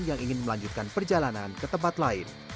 yang ingin melanjutkan perjalanan ke tempat lain